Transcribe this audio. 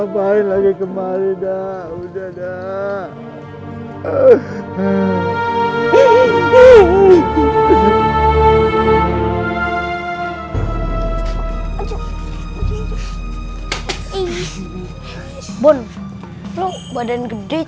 pak kasih dukungan pesangon pak